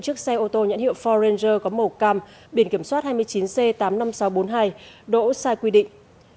chiếc xe ô tô nhãn hiệu forranger có màu cam biển kiểm soát hai mươi chín c tám mươi năm nghìn sáu trăm bốn mươi hai đỗ sai quy định